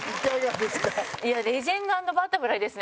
レジェンド＆バタフライですね